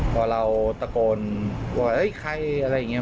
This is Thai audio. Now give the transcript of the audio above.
พอเราตะโกนว่าใครอะไรอย่างนี้